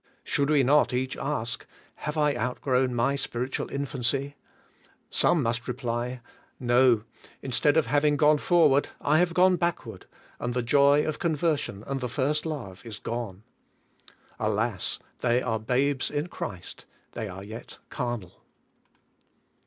Should we not each ask, "Have I outgrown my spiritual in fanc}'?" Some must reply, "No, instead of hav ing gone forward, I have gone backward, and the joy of conversion and the first love is gone." Alas! They are babes in Christ; they are yet carnal.